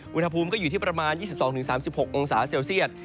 อุณหภูมิก็อยู่ที่ประมาณ๒๒๓๖องศาเซลเซียต